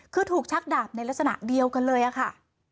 คือถูกชักดาบในลักษณะเดียวกันเลยอะค่ะ